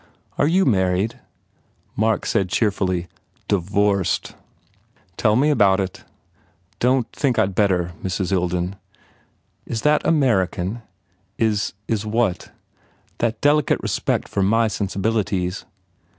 "Are you married?" Mark said cheerfully, "Divorced." "Tell me about it." "D don t think I d better, Mrs. Ilden." "Is that American?" "Is is what?" "That delicate respect for my sensibilities."